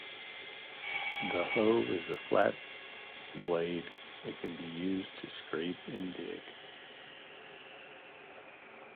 The hoe is a flat blade, that can be used to scrape and dig.